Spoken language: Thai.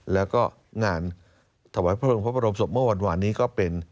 แล้วก็งานธวายพระรมสมมติว่าวันนี่ก็เป็น